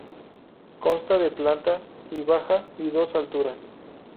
Consta de planta y baja y dos alturas.